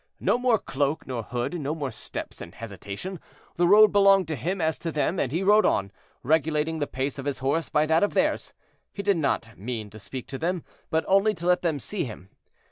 No more cloak nor hood, no more stops and hesitation; the road belonged to him as to them, and he rode on, regulating the pace of his horse by that of theirs. He did not mean to speak to them, but only to let them see him.